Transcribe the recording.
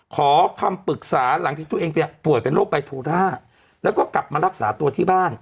ขอคำปรึกษาหลังที่ตัวเองป่วยเป็นโรคไบโทราแล้วก็กลับมารักษาตัวที่บ้าน